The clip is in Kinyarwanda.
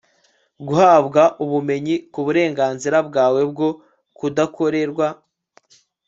guhabwa ubumenyi ku burenganzira bwawe bwo kudakorerwa